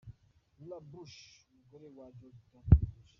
Laura Bush, umugore wa George W.